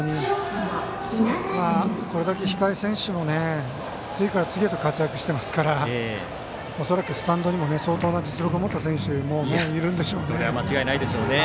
これだけ控え選手も次から次へと活躍してますから恐らくスタンドにも相当な実力を持った選手がいるんでしょうね。